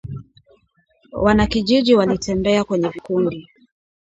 Wanakijiji walitembea kwenye vikundi